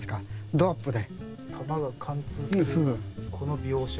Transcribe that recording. ドアップで。